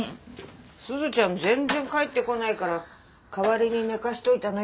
鈴ちゃん全然帰ってこないから代わりに寝かせておいたのよ。